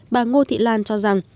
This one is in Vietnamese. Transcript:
bà ngô thị lan cho rằng